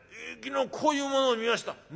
昨日こういうものを見ました。